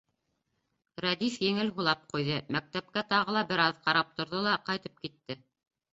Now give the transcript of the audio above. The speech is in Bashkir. Рәдиф еңел һулап ҡуйҙы, мәктәпкә тағы ла бер аҙ ҡарап торҙо ла ҡайтып китте.